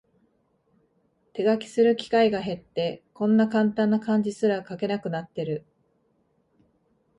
手書きする機会が減って、こんなカンタンな漢字すら書けなくなってる